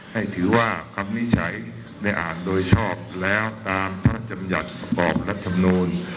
ให้ถือว่าคำวินิจฉัยได้อ่านโดยชอบแล้วตามพระจำหยัติประกอบรัฐมนูล